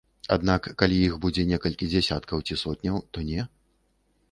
Аднак калі іх будзе некалькі дзясяткаў ці сотняў, то не.